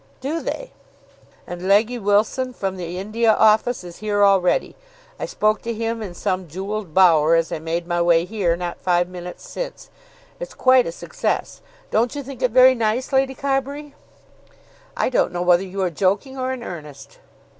"Do they?" "And Legge Wilson from the India Office is here already. I spoke to him in some jewelled bower as I made my way here, not five minutes since. It's quite a success. Don't you think it very nice, Lady Carbury?" "I don't know whether you are joking or in earnest."